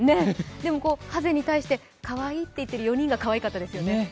でもハゼに対して「かわいい」って言ってる４人がかわいかったですね。